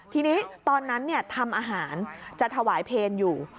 ทีนี้ตอนนั้นทำอาหารจะถวายเพลงอยู่